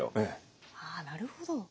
なるほど。